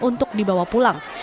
untuk dibawa pulang